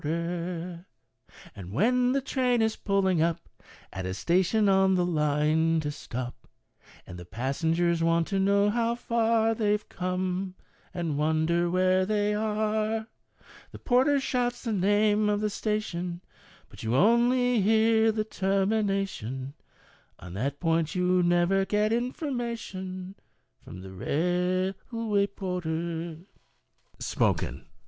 Second Verse. And when the train is pulling up, At a station on the line to stop, And the passengers want to know how far They've come, and wonder where they are, The porter shouts the name of the station, But you only hear the termination — On that point you never get information From the railway porter. 44 MACCABES ART OF VENTRILOQUISM {Spoken).